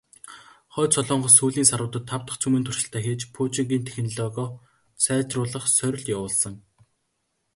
Хойд Солонгос сүүлийн саруудад тав дахь цөмийн туршилтаа хийж, пуужингийн технологио сайжруулах сорилт явуулсан.